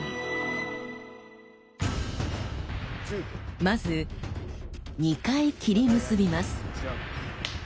まず２回斬り結びます。